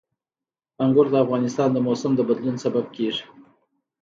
انګور د افغانستان د موسم د بدلون سبب کېږي.